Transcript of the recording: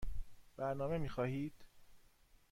برنامه می خواهید؟